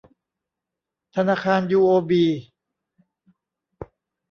ธนาคารยูโอบี